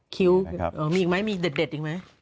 ชมหรอมีอีกมั้ยเด็ดอีกมั้ย